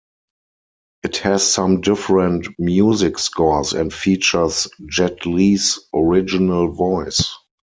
It has some different music scores and features Jet Li's original voice.